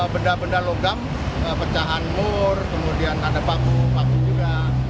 benda benda logam pecahan mur kemudian ada paku paku juga